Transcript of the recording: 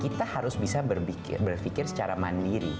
kita harus bisa berpikir secara mandiri